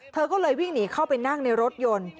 เธอก็เลยวิ่งหนีเข้าไปนั่งในรถยนต์